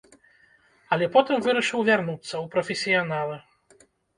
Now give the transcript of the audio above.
Але потым вырашыў вярнуцца, у прафесіяналы.